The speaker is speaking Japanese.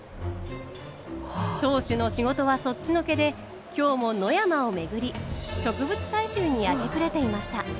当主の仕事はそっちのけで今日も野山を巡り植物採集に明け暮れていました。